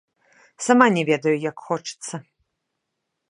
Сама не ведаю, як хочацца!